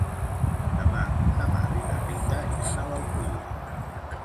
Demà na Mar i na Rita iran a l'Alcúdia.